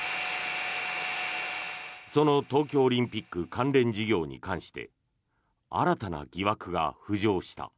その東京オリンピック関連事業に関して新たな疑惑が浮上した。